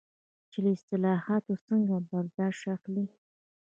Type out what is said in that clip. چې له اصطلاحاتو څنګه برداشت اخلي.